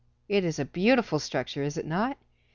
It is a beautiful structure, is it not?